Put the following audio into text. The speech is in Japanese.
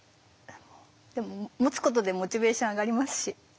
でも持つことでモチベーション上がりますし。